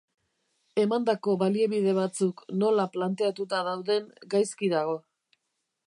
Emandako baliabide batzuk nola planteatuta dauden gaizki dago.